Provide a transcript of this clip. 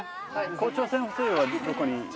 校長先生はどこに？